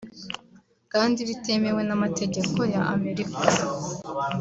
kandi bitemewe n'amategeko ya Amerika